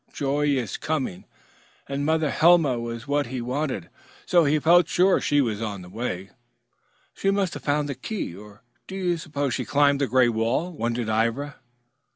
Joy is coming." And Mother Helma was what he wanted. So he felt sure she was on the way. "She must have found the key, or do you suppose she climbed the gray wall?" wondered Ivra.